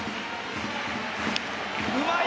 うまい。